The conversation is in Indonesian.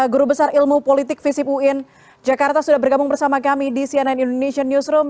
guru besar ilmu politik visip uin jakarta sudah bergabung bersama kami di cnn indonesian newsroom